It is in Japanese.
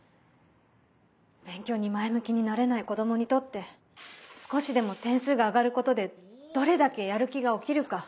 勉強に前向きになれない子供にとって少しでも点数が上がることでどれだけやる気が起きるか。